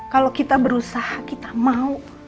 kalau kita berusaha kita mau